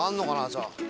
じゃあ。